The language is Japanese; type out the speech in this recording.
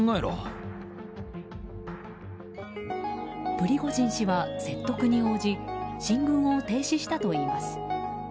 プリゴジン氏は説得に応じ進軍を停止したといいます。